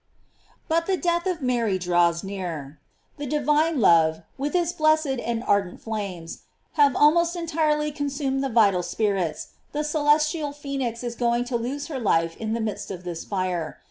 But the death of Mary draws near. The di vine love, with its blessed and ardent flames, have almost entirely consumed the vital spirits, the celestial phoenix is going to lose her life in the midst of this fire.